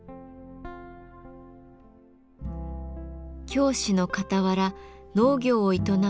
教師のかたわら農業を営む佐藤さん。